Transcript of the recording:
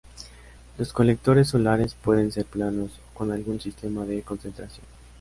Los colectores solares pueden ser planos o con algún sistema de concentración.